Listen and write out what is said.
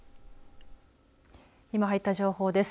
今、入った情報です。